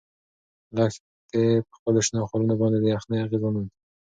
لښتې په خپلو شنو خالونو باندې د یخنۍ اغیز وموند.